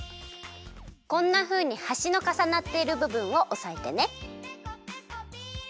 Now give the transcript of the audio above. こんなふうにはしのかさなっているぶぶんをおさえてね。